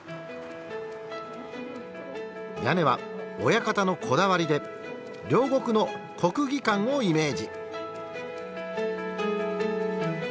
屋根は親方のこだわりで両国の国技館をイメージ。